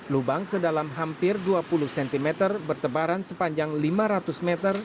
lubang sedalam hampir dua puluh cm bertebaran sepanjang lima ratus meter